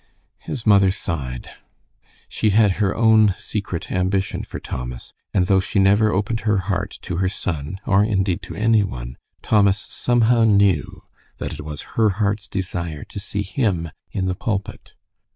His mother sighed. She had her own secret ambition for Thomas, and though she never opened her heart to her son, or indeed to any one, Thomas somehow knew that it was her heart's desire to see him "in the pulpit."